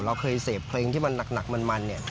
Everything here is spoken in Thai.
เราเคยเสพเพลงที่มันหนักมันเนี่ย